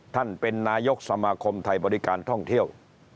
ท่านเป็นนายกสมาคมไทยบริการท่องเที่ยว